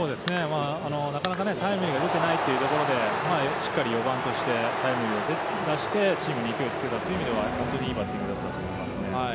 なかなかタイムリーが出てないということで、しっかり４番としてタイムリーを出して、チームに勢いをつけたという意味ではいいバッティングだったと思います。